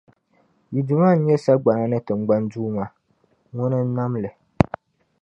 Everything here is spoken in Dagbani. Yi Duuma nnyɛ sagbana ni tiŋgbani Duuma, Ŋuna n-nam li.